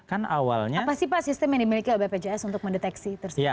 apa sih pak sistem yang dimiliki abpjs untuk mendeteksi